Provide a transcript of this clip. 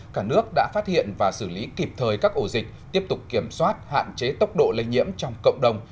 cả nước đã phát hiện và xử lý kịp thời các ổ dịch tiếp tục kiểm soát hạn chế tốc độ lây nhiễm trong cộng đồng